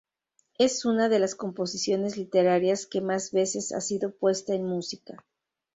Es una de las composiciones literarias que más veces ha sido puesta en música.